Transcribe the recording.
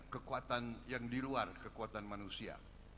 kekuatan yang di luar kekuatan manusia